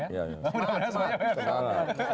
mudah mudahan semuanya beres